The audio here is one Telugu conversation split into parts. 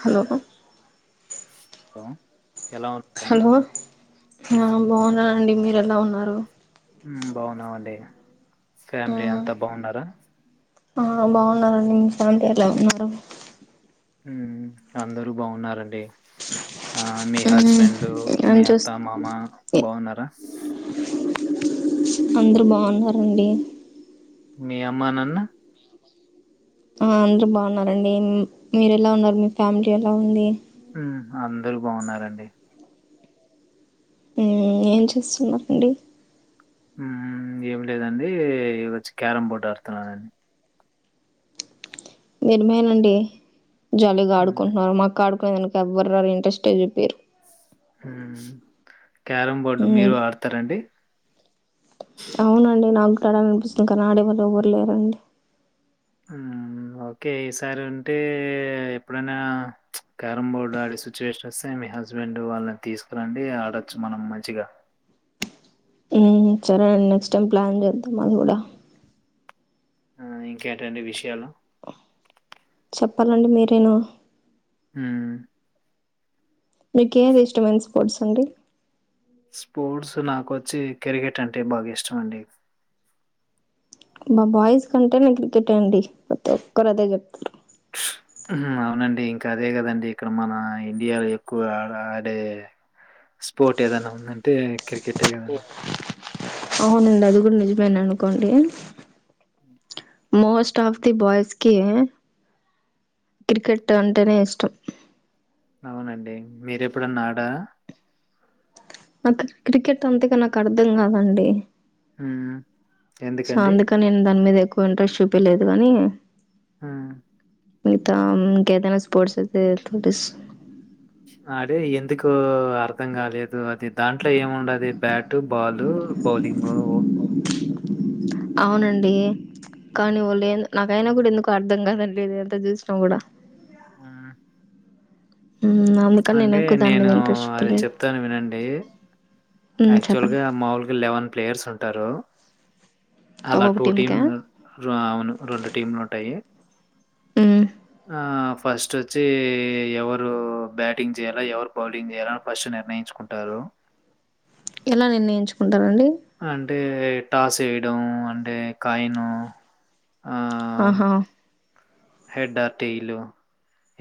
హలో హలో ఎలా ఉన్నారండి హలో ఆ బాగున్నా అండి మీరు ఎలా ఉన్నారు బాగున్నామండి ఫ్యామిలీ అంతా బాగున్నారా రా ఆ బాగున్నరండి మీ ఫ్యామిలీ ఎలా ఉన్నారు అందరూ బాగున్నారండి ఆ మీ హస్బెండ్ ఏం మీ చూస్ అత్త మామ బాగున్నారా అందరు బాగున్నారండీ మీ అమ్మ నాన్న ఆ అందరు బాగున్నారండి మీరు ఎలా ఉన్నారు మీ ఫ్యామిలీ ఎలా ఉంది అందరు బాగున్నారండీ ఏం చేస్తున్నారండి ఏమి లేదండి వచ్చి క్యారం బోర్డు ఆడుతున్నానండి నిర్మేనండి జాలీగా మ్మ్ ఆడుకుంటున్నారు మాకాడు కోడానికి ఎవ్వరు ఇంట్రెస్ట్ చూపియ్యరు క్యారం బోర్డు మీరు ఆడతారండి అవునండి నాక్కూడా ఆడాలి అనిపిస్తుంది కానీ ఆడే వాళ్ళు ఎవరూ లేరండి ఓకే ఈసారి ఉంటే ఎప్పుడైనా క్యారం బోర్డు ఆడే సిచ్యువేషన్ వస్తే మీ హస్బెండ్ వాళ్ళని తీసుకురండి ఆడచ్చు మనం మంచిగ సరే అండి నెక్స్ట్ టైమ్ ప్లాన్ చేద్దాం మనం కూడా ఆ ఇంకేటండి విషయాలు చెప్పాలండి మీరేను హ మీకు ఏది ఇష్టమంది స్పోర్ట్స్ అండి. స్పోర్ట్స్ నాకొచ్చి క్రికెట్ అంటే బాగా ఇష్టం అండి మా బాయ్స్ కంటే క్రికెట్ అండి ప్రతి ఒక్కరు అదే చెప్తారు అవునండి ఇంకా అదే కదండి ఇక్కడ మన ఇండియాలో ఎక్కువ ఆ ఆడే స్పోర్ట్ ఏదైనా ఉందంటే క్రికెట్ ఎ కదా అండి అవునండి అది కూడా నిజమేన అనుకోండి హ్మ్. మోస్ట్ ఆఫ్ ది బాయ్స్కి క్రికెట్ అంటేనే ఇష్టం అవునండి మీర ఎప్పుడు ఆడ నాకు క్రికెట్ అంతగా నాకు అర్థం కాదండి ఆ అందుక నేను దాని మీద ఎక్కువ ఇంట్రెస్ట్ చూపలేదు కాని హ మీత కతేనా స్పోర్ట్స్తే ఆడి ఎందుకు అర్థం కాలేదు అది దాంట్లో ఏమిండదు బ్యాట్ పాటు బౌలింగ్ అవునండి కానీ వాళ్ళు నాకైనా కూడా ఎందుకు అర్థం కాదండి ఇది ఎంత చూసినా కూడా హ్మ్. ఉమ్, అందుకని అంటే ఎక్కువ దాని మీద నేను ఇంట్రెస్ట్ అది చూపలేదు చెప్తాను వినండి హ్మ్. చెప్పండి. యాక్చువల్గా మాముల్కి లెవెన్ ప్లేయర్స్ ఉంటా అంటారు అలా ఒక్కొక్క టూ టీమ్ టీమ్‌కా? అవును రెండు టీమ్లు ఉంటాయి. హ్మ్. ఆ ఫస్ట్ వచ్చి ఎవరు బ్యాటింగ్ చేయాల ఎవరు బౌలింగ్ చేయాలని ఫస్ట్ నిర్ణయించుకుంటారు. ఎలా నిర్ణయించుకుంట అంటే టాస్ చేయడం అంటే కాయిన ఆహా హెడ్ ఆటలు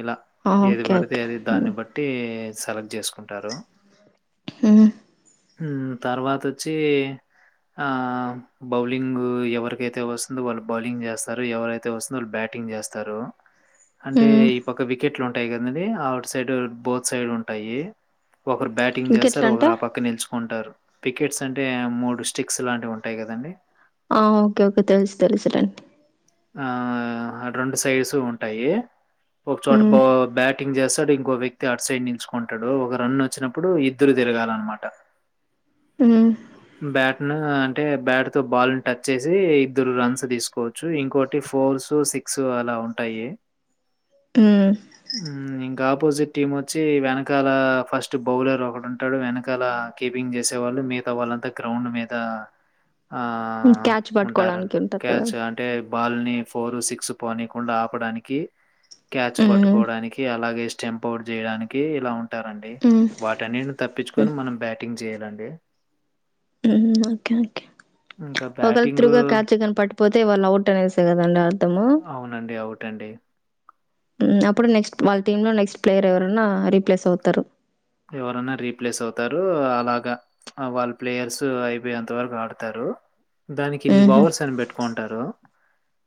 ఇలా ఆ! ఏది ఓకే. పడితే ఓకే. అది హ్మ్. దాన్ని బట్టి సెలెక్ట్ చేసుకుంటారు హ్మ్మ్ తర్వాత వచ్చి ఆ బౌలింగ్ ఎవరికైతే వస్తుందో వాళ్ళు బౌలింగ్ చేస్తారు ఎవరైతే వస్తు వాళ్ళు బ్యాటింగ్ చేస్తారు అంటే హ్మ్. ఈ పక్క వికెట్లు ఉం ఉంటాయి కదండి అవుట్ సైడ్ బోత్ సైడ్ ఉంటాయి ఒకరు బ్యాటింగ్ చేస్తారు వికెట్లంటే? ఒకరు ఆ పక్క ఉంటారు పికెట్స్ అంటే మూడు స్టిక్స్ లాంటివి ఉంటాయి కదండి ఆ ఓకే ఓకే తెలుసు తెలుసులెండి ఆ రెండు సైడ్స్ ఉంటాయి ఒక చోట హ్మ్. బౌ బ్యాటింగ్ చేస్తాడు ఇం ఒ వ్యక్తి అట్ సైడ్ నిల్చుకుంటాడు ఒక రన్ వచ్చినప్పుడు ఇద్దరు తిరగాలన్నమాట హ్మ్మ్ బ్యాట్ ను అంటే బ్యాట్ తో బాల్ ను టచ్ చేసి ఇద్దరు రన్స్ తీసుకోవచ్చు ఇంకోటి ఫోర్స్ సిక్స్ అలా ఉంటాయి. హ్మ్మ్ హ్మ్. ఇంకా ఆపోజిట్ టీమ్ వచ్చి వెనకాల ఫస్ట్ బౌలర్ ఒకటి ఉంటాడు వెనకాల కీపింగ్ చేసే వాళ్ళు మిగతా వాళ్ళు అంతా గ్రౌండ్ మీద ఆ హ్మ్. క్యాచ్ ఉంటారు పట్టుకోవడానికి కదా! క్యాచ్ అంటే బాల్ని ఫోర్ సిక్స్ పోనీయకుండా ఆపడానికి క్యాచ్ హ్మ్. పట్టుకోవడానికి అలాగే స్టెంప్ అవుట్ చేయడానికి ఇలా ఉన్ ఉంటారండి హ్మ్. వాటిన్నిటిని తప్పించుకొని హ్మ్. మనం బ్యాటింగ్ చేయాలండి హ్మ్మ్ క్యాచ్ ఓకే ఓకే ఇంకా ఒకవళ బ్యాటింగు తిరుగుగా క్యాచికన్ పట్టిపోతే వాళ్ళు అవుట్ అనేసా కదండి అర్ధము. టండీ హ్మ్మ్ అప్పుడు నెక్స్ట్ వాళ్ళ టీమ్ లో నెక్స్ట్ ప్లేయర్ ఎవరన్నా రీప్లేస్ అవుతారు ఎవరన్నా రీప్లేస్ అవుతారు అలాగా ఆ వాళ్ళ ప్లేయర్స్ అయిపోయేంత వరకు ఆడతారు. దానికి ఇన్ని హుహు. ఓవర్స్ అని పెట్టుకుంటారు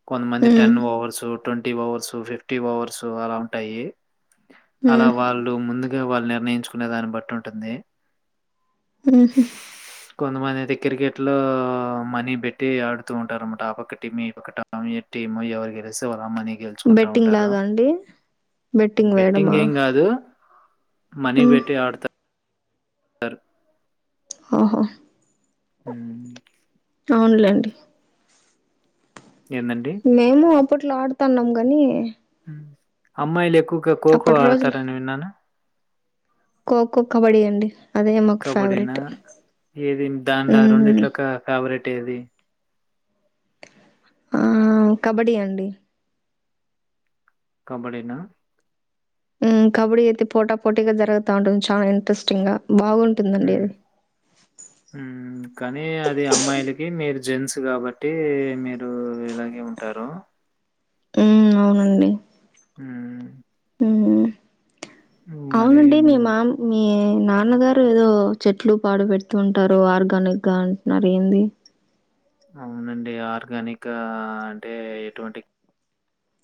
కొంతమంది హ్మ్. Ten overs twenty overs fifty overs అలా ఉంటాయి అలా హ్మ్. వాళ్ళు ముందు వాళ్ళు నిర్ణయించు కునే దాన్ని బట్టి ఉంటుంది హ్మ్మ్ కొంతమంది అయితే క్రికెట్ లో మనీ పెట్టి ఆడుతూ ఉంటారు అనమాట ఆ పక్క టీమిక్క టీమ్ ఎవరు గెలిస్తే వాళ్ళ మనీ. గెలుచుకుంటా బెట్టింగ్ ఉంటారు. లాగా అండి అది బెట్టింగ్ వేయడమా ఏం గాదు. మ్మ్ సారు ఓహో హ్మ్మ్ అవునులేండి ఏందండి? మేము అప్పట్లో ఆడుతాన్నాం గాని అమ్మాయిలే ఊకె ఖోఖో అప్పటి రోజులు ఆడతారాని విన్నాను ఖోఖో కబడ్డీ అండి అదే మాకు కబడ్డీనా ఫేవరెట్ ఏది దానిలో మ్మ్ రెండిట్లో ఒక ఫేవరెట్ తేది ఆ కబడ్డీ అండి కబడినా ఉమ్ కబడ్డీ అయితే పోటా పోటీగా జరుగుతా ఉంటుంది చాలా ఇంట్రెస్టింగ్ గా హు బాగుంటుందండి అది హు కానీ అది అమ్మాయిలకి నేరు జెంస్ కాబట్టి మీరు ఇలాగే ఉంటారు ఊ అవునండి హు హూ అవునండి మీ మామ్ మీ నాన్నగారు ఏదో చెట్లు పాడు పెడుత ఉంటారు ఆర్గానిక్ గా అంటున్నారు ఏంది అవునండి ఆర్గానిక్ అంటే ఎటువంటి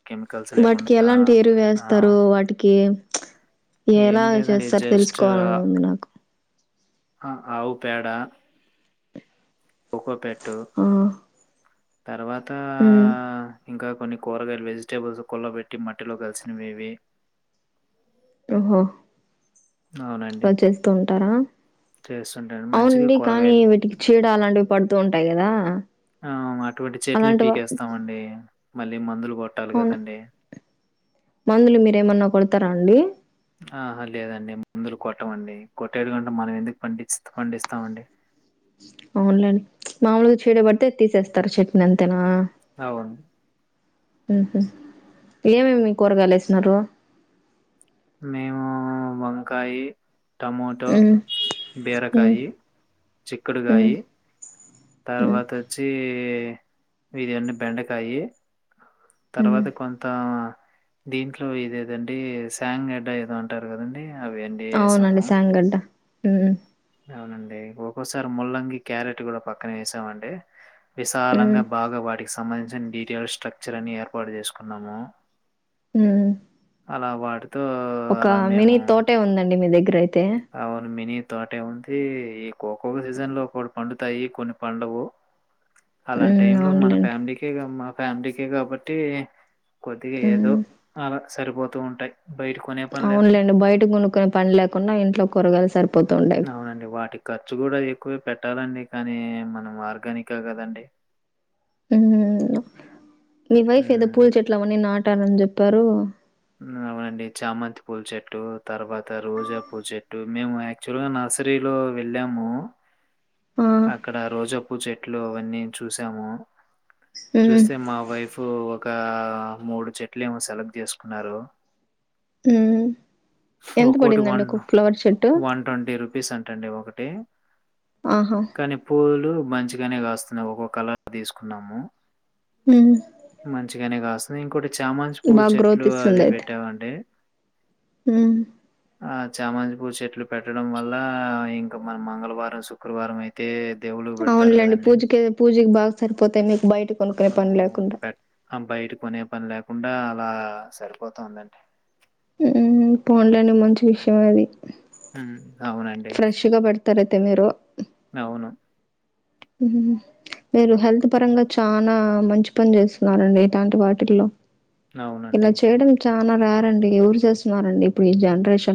కెమికల్స్ వాటికి లేకుండా ఎలాంటి ఎరువు వేస్తారు ఆహ్, వాటికి ఎలా ఏమి లేదండి చేస్తారుో తెలుసుకోవాలని ఉంది నాకు ఆ ఆవు పేడా ఉకోపెట్టు తర్వాత హు ఇంకా కొన్ని కూరగాయలు వెజిటేబుల్స్ కుల్లబెట్టి మట్టిలో కలిసినవివి ఓహో అవునండి అలా చేస్తూ ఉంటారా చేస్తుంటాడి మంచిగా అవునండి కానీ కూరగాయలు వీటికి చీడ అలాంటివి పడుతూ ఉంటాయి కదా ఆ అటువంటి చెట్లని అలాంటివా పీకేస్తామండి మళ్ళీ మందులు కొట్టాలి అవునా కదండి మందులు మీరేమన్నా కొడతారా అండి ఆహ లేదండి మందులు కొట్టమండి కొట్టేది ఉంటే మనం ఎందుకు పండి పండిస్తామండి అవునులేండి మామూలుగా చీడ పడితే తీసేస్తారు చట్నీ అంతేనా అవున్ ఉహు ఏమేమి మీ కూరగాయలు యేసిన్నారు మేము వంకాయి టమోటో ఉమ్ ఉమ్ బీరకాయి ఉమ్ చిక్కుడుకాయి ఉమ్ తర్వాత వచ్చి ఇదే అండి బెండకాయి ఉమ్ తర్వాత కొంత దీంట్లో ఇదేదండి ఎస్ టాంన్ గడ్డ ఏదో అంటారు కదండి అవునండి వేసాము సాంగడ్డ హు అవునండి ఒక్కోసారి ముల్లంగి క్యారెట్ కూడా పక్కనే ఏసామండి ఉమ్ విసాలంగా బాగావాటికీ సంబంధించిన డీటెయిల్స్ స్ట్రక్చర్ అని ఏర్పాటు చేసుకున్నాము ఊమ్ అలా వాడు ఒక మినీ తోటే ఉందండి మీ దగ్ గ్రై అవును మినీ తోటే ఉంది ఈ కోకో సీజన్ లో ఒకటి పండుతాయి కొన్ని పండవు అలాంటి హ్మ్. టైం లో మన అవునులేండి. ఫ్యామిలీకే గాదు మక్ ఫ్యామిలీకే గాబట్టి కొద్దిగా ఏదో హ్మ్. అలా సరిపోత్ తు ఉంటాయి బయట కొనే పని లేకుండా. అవునులేండి బయట కొనుక్కునే పని లేకుండా ఇంట్లో కూరగాయలు సర్ అవునండి వాటికి ఖర్చు కూడా ఎక్కువే పెట్ పెట్టాలండి కానీ మనం ఆర్గానిక గదండి ఊమ్ మీ వైఫ్ ఏదో హ్మ్. పూల చెట్లు అవన్నీ నాట్ టనని చెప్పారు ఊమ్ అవండి చామంతి పూల చెట్టు తర్వాత రోజా పూ చెట్టు మేము యాక్చువల్గా నర్సరీలో వెళ్ళాము ఆ! అక్కడ రోజాపూ చెట్లు వ నేన్ చూసాము హ్మ్. చూస్తే మా వైఫు ఒక మూడు చెట్లు ఏమో సెలెక్ట్ చేసుకున్నారు హ్మ్. ఎంత ఒకొటి పడిందండి వన్ ఒక్కొక్క ఫ్లవర్ చెట్టు? వన్ ట్వంటీ రూపీస్ అంటండి ఒకటి ఆహా కానీ పూలు మంచిగానే కాస్తున్నాయి ఒక్కొక్క కలర్ తీసుకున్నాము హ్మ్. మంచిగానే కాస్ ఇంకోటి చామంతి పూ బాగా చెట్లు గ్రోత్ అది ఇస్తుందయితే. పెట్టావండి హ్మ్. ఆ చామంతి పూచెట్లు పెట్టడం వల్ల ఇంకా మన మంగళవారం శుక్రవారం అయి ఏప్! అవును లెండి. పూజకీ పూజకి బాగ సరిపోతే, నీకు బయిటి ఊఁ పె అ బయట కొనే పనిలేకున్ డా అలా సరిపోతోందండి. ఊఁ, పోన్లెండి మంచి విషయమె అది. ఉహు. ఫ్రెష్ గ బెడ్తతరయితె మీరూ? అవును. ఉహ్ మీరు హెల్త్ పరంగ చానా మంచి పని చేస్తున్నారండి ఇటాంటివాటిల్లో అవునండి వరు రారండి ఎవరు చేస్తున్నారండి? ఇప్పుడు ఈ జన్రేషన్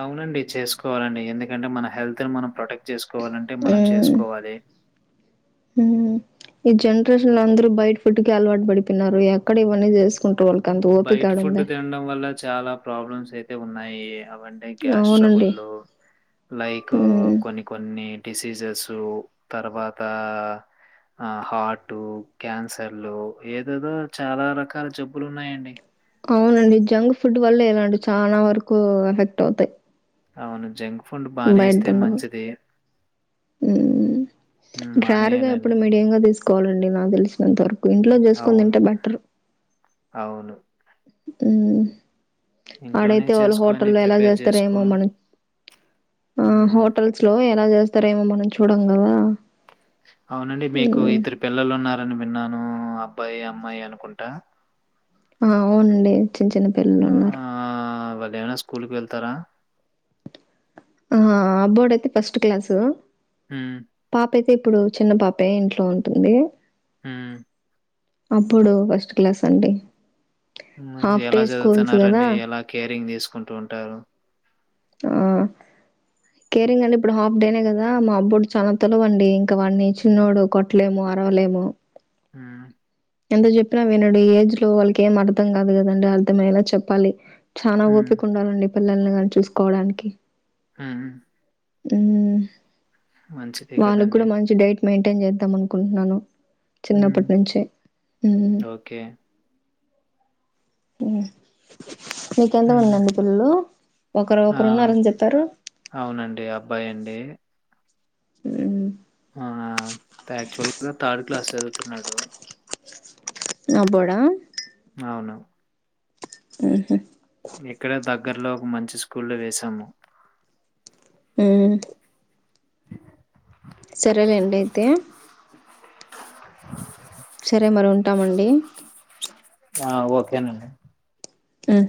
అవునండి చేసుకోవాలండి ఎంద్ కంటే మన హెల్త్ ని మనం ప్రొటెక్ట్ చేసుకోవాలంటే మనం చేసుకోవాలి ఊహ్ ఈ జనరేషన్లో అందరు బయట ఫుడ్డుకి అలవాటు బడిపొయినారు ఎక్కడ ఇవన్ని జేసు బయటి ఫుడ్డు తినడం వల్ల చాలా ప్రాబ్లమ్స్ అయి తే ఉన్నాయి. అవంటే అవునండి గ్యాస్ట్రబుల్లో లైక్ మ్మ్. కొన్ని కొన్ని డిసీజెసూ, తర్వాతా హార్టూ, క్యాన్సర్లూ ఏదేదో చాలా రకాల జబ్ బ్బులు ఉన్నాయండి అవునండి జంగ్ ఫుడ్ వల్ల ఇలాంటి చాలా వరకూ ఎఫెక్ట్ అవుతాయ్ అవును జంక్ ఫుడ్ బానేస్తే మంచిది ఊమ్ హ్మ్. జారుగా మానేయాలండి. ఎప్పుడు మీడియంగా తీసుకోవాలండి నాకు తెలిసినంతా ఇంట్లో జేసుకోని అవును. తింటే బెటర్ అవును. ఉహ్ ఇంట్లోనే ఆడైతే వాళ్ళు చేసుకొని హోటల్లో ఎలా ప్రిపేర్ జేస్తారో చేసుకో ఏమో మనక్ ఆ హ్మ్. హోటల్స్ లో ఎలా జెస్ తరేమో మనం చూడంగదా అవునండి మీకు ఇద్దరు పిల్లలున్నార్ రని విన్నాను అబ్బాయి అమ్మాయి అనుకుంటా ఆ అవునండి చిన్న చిన్న పిల్లలు ఉన్నారు ఏవైనా స్కూల్కు వెళ్తారా ఆ అబ్బోడైతే ఫస్ట్ క్లాసూ మ్మ్ ఇప్పుడు చిన్న పాపే ఇంట్లో ఉంటుంది మ్మ్ అబ్బొడూ ఫస్ట్ క్లాస్ అండి మరి హాఫ్ డే ఎలా స్కూల్స్ గదా! చదువుతున్నరండి ఎలా కేరింగ్ తీస్ కుంటూంటారు ఆ కేరింగ్ అండి ఇప్పుడు హాఫ్ డేనే గదా మా అబ్బోడు చాలా తెలువండి ఇంక వాన్ని హ్మ్. చిన్నోడు కొట్ లేము అరవలేము మ్మ్ ఎంత చెప్పినా వినడు, ఈ ఏజ్ లో వాళ్ళకి ఏం అర్థం కాదు గదండి, అర్థమయ్యేలా చెప్పాలి చానా హ్మ్. ఓపిక ఉండాలండి పిల్లల్ని గని చూసుకోవడానికి మ్మ్ మ్మ్ మంచిదే వాళ్ళకు కదండీ. కూడా మంచి డైట్ మెంటేన్ చేద్దాం అనుకుంటున్నాను హ్మ్. చిన్నప్పటి నుంచి మ్మ్ ఓకే. మ్మ్ నీకెంత హ్మ్. మందండి పిల్లలు ఒకరు ఆ! ఒకరు ఉన్నారని చెప్పారు బ్బాయి అండి మ్ యాక్చువల్‌గా థర్డ్ క్లాస్ ఏల్ తున్నాడు ప్చ్ అబడా అవును మ్మహ్ గ్గర్లో ఒక మంచి స్కూల్ వేసాము మ్మ్ సరే అండి అయితే [unintelligible] సరే మరి ఉంటామండి ఆ ఓకేనండి మ్మ్